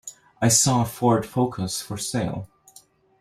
I saw a Ford Focus for sale.